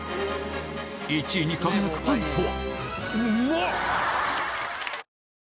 １位に輝くパンとは？